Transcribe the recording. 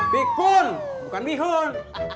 bikun bukan bihun